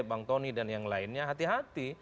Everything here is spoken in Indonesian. bang tony dan yang lainnya hati hati